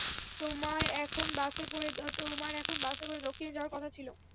তোমার এখন বাসে করে দক্ষিণে যাওয়ার কথা ছিল।